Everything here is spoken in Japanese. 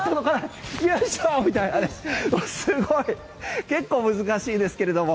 すごい結構難しいですけれども。